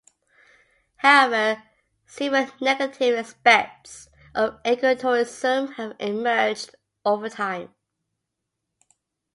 However, several negative aspects of ecotourism have emerged over time.